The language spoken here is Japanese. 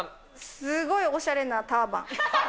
すごいおしゃれなターバン。